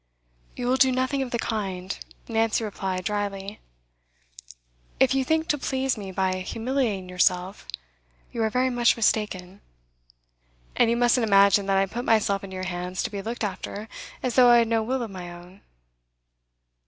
'You will do nothing of the kind,' Nancy replied drily. 'If you think to please me by humiliating yourself, you are very much mistaken. And you mustn't imagine that I put myself into your hands to be looked after as though I had no will of my own.